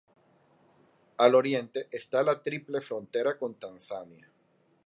Al oriente está la triple frontera con Tanzania.